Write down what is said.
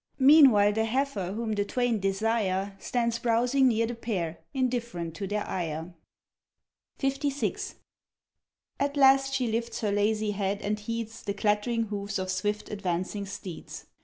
Meanwhile, the heifer, whom the twain desire, Stands browsing near the pair, indifferent to their ire. LVII. At last she lifts her lazy head and heeds The clattering hoofs of swift advancing steeds.